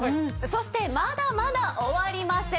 そしてまだまだ終わりません。